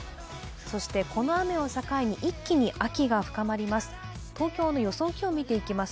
そしてこの雨を境に一気に天気が変わります。